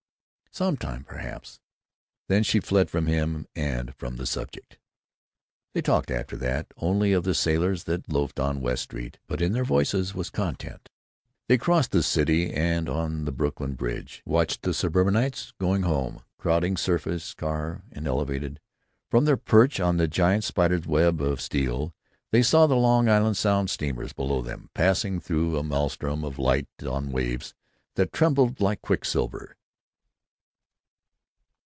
"Some time, perhaps!" Then she fled from him and from the subject. They talked, after that, only of the sailors that loafed on West Street, but in their voices was content. They crossed the city, and on Brooklyn Bridge watched the suburbanites going home, crowding surface car and elevated. From their perch on the giant spider's web of steel, they saw the Long Island Sound steamers below them, passing through a maelstrom of light on waves that trembled like quicksilver.